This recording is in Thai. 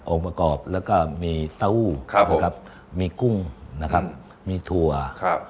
ออกมากรอบแล้วก็มีเต้าครับมีกุ้งนะครับมีถั่วครับ